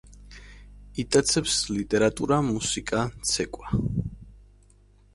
იტაცებს: ლიტერატურა, მუსიკა, ცეკვა.